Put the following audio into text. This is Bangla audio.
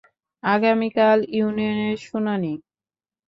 আগামীকাল ইউনিয়নের শুনানি।